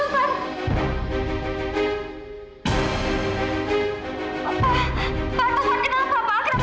kenapa bisa jadi kayak gini pa